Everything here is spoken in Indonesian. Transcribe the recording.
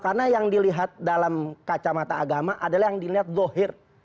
karena yang dilihat dalam kacamata agama adalah yang dilihat zohir